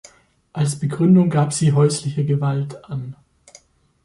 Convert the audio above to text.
Als Begründung gab sie häusliche Gewalt an.